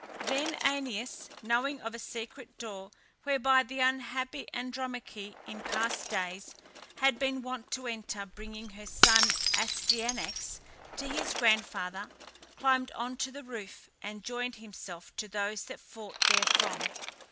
Then Æneas, knowing of a secret door whereby the unhappy Andromache in past days had been wont to enter, bringing her son Astyanax to his grandfather, climbed on to the roof and joined himself to those that fought therefrom.